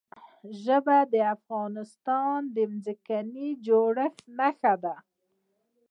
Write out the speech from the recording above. ژبې د افغانستان د ځمکې د جوړښت نښه ده.